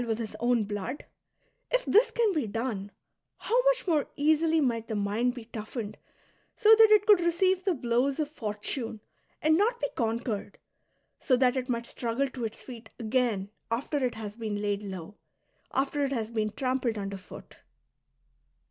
with his own blood, — if this can be done, how much more easily might the mind be toughened so that it could receive the blows of Fortune and not be con quered, so that it might struggle to its feet again after it has been laid low, after it has been trampled under foot